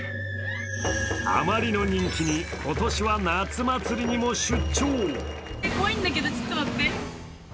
あまりの人気に今年は夏祭りにも出張。